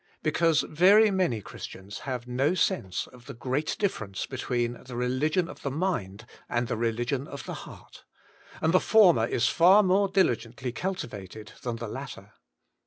Because very many Christians have no sense of the great diflference between the religion of the mind and the religion of the heart, and the former ia far more diligently cultivated than the latter.